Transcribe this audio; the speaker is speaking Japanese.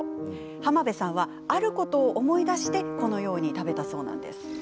浜辺さんはあることを思い出してこのように食べたそうなんです。